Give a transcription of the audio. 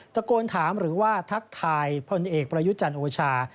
ตะโกนถามหรือว่าทักทายพลเอกประยุจันทร์โอชา